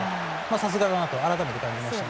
さすがだなと改めて感じました。